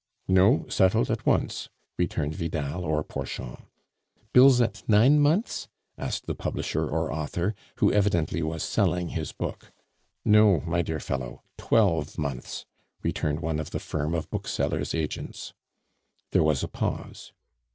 "No. Settled at once," returned Vidal or Porchon. "Bills at nine months?" asked the publisher or author, who evidently was selling his book. "No, my dear fellow, twelve months," returned one of the firm of booksellers' agents. There was a pause.